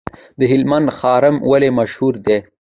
د هلمند رخام ولې مشهور دی؟